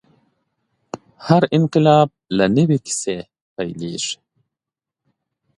هر انقلاب له نوې کیسې پیلېږي.